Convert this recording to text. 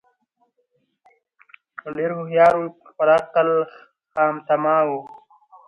ډېر هوښیار وو په خپل عقل خامتماوو